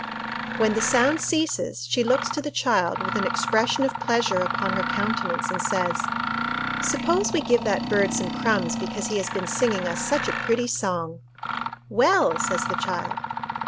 When the sound ceases, she looks to the child with an expression of pleasure upon her countenance, and says, "Suppose we give that bird some crumbs because he has been singing us such a pretty song." "Well!" says the child.